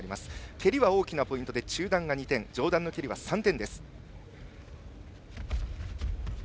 蹴りは大きなポイントで中段が２点、上段の蹴りは３点。